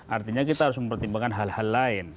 artinya kita harus mempertimbangkan hal hal lain